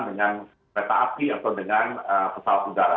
dengan kereta api atau dengan pesawat udara